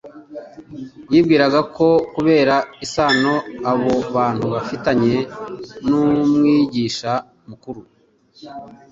Yibwiraga ko kubera isano abo bantu bafitanye n'Umwigisha mukuru,